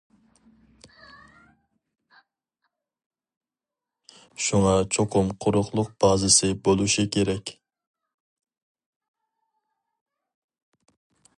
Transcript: شۇڭا چوقۇم قۇرۇقلۇق بازىسى بولۇشى كېرەك.